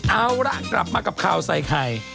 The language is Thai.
เอาละกลับมากับข่าวไซค์ไฮ